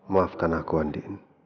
maafkan aku andi